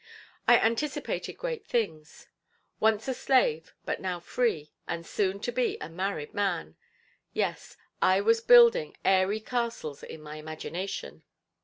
I anticipated great things. Once a slave, but now free and soon to be a married man. Yes, I was building airy castles in my imagination.